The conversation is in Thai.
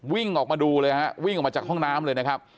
วิ่งออกมาดูเลยฮะวิ่งออกมาจากห้องน้ำเลยนะครับ